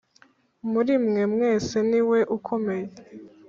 muri mwe mwese ni we ukomeye